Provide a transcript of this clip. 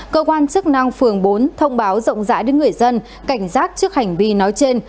cơ quan chức năng phường bốn thông báo rộng rãi đến người dân cảnh giác trước hành vi nói trên